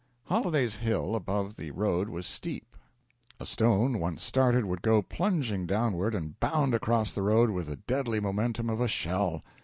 Holliday's Hill above the road was steep; a stone once started would go plunging downward and bound across the road with the deadly momentum of a shell.